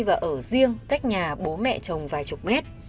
và ở riêng cách nhà bố mẹ chồng vài chục mét